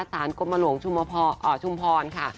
สถานกมลวงชุมพรค่ะ